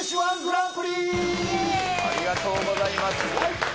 ありがとうございます。